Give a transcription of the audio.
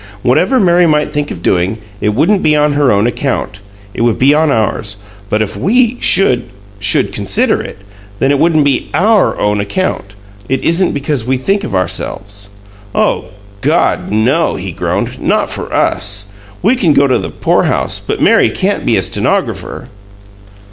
"Whatever Mary might think of doing, it wouldn't be on her own account; it would be on ours. But if WE should should consider it, that wouldn't be on OUR own account. It isn't because we think of ourselves." "Oh God, no!" he groaned. "Not for us! We can go to the poorhouse, but Mary can't be a stenographer!"